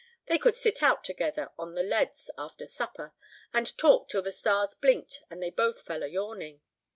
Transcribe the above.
They could sit out together on the "leads" after supper, and talk till the stars blinked and they both fell a yawning.